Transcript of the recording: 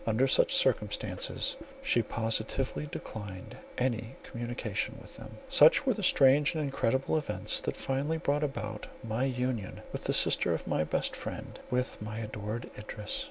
Under such circumstances, she positively declined any communication with them." Such were the strange and incredible events, that finally brought about my union with the sister of my best friend, with my adored Idris.